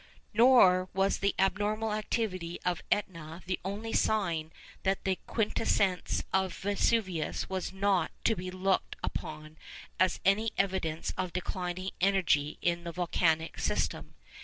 Nor was the abnormal activity of Etna the only sign that the quiescence of Vesuvius was not to be looked upon as any evidence of declining energy in the volcanic system.